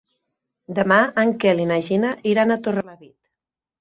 Demà en Quel i na Gina iran a Torrelavit.